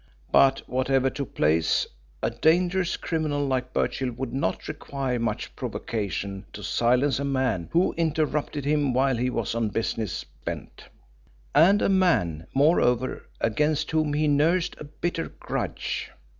But whatever took place, a dangerous criminal like Birchill would not require much provocation to silence a man who interrupted him while he was on business bent, and a man, moreover, against whom he nursed a bitter grudge.